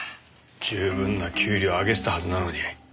十分な給料あげてたはずなのに。